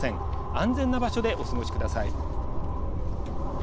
安全な場所でお過ごしください。